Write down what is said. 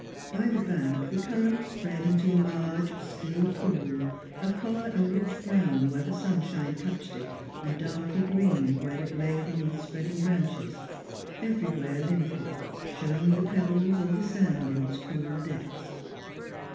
By the bank the current spread into a large, still pool, of colour a rich brown where the sunshine touched it, and darkly green where it lay beneath spreading branches; everywhere limpid, showing the pebbles or the sand in its cool depths.